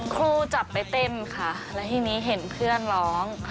ครูจับไปเต้นค่ะแล้วทีนี้เห็นเพื่อนร้อง